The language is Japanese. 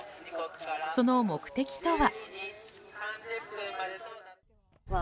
その目的とは？